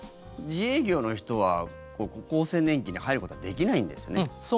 自営業の人は厚生年金に入ることはそうなんですね。